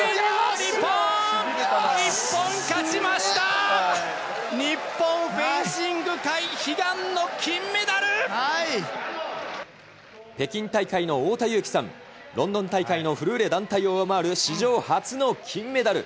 日本フェンシン北京大会の太田雄貴さん、ロンドン大会のフルーレ団体を上回る史上初の金メダル。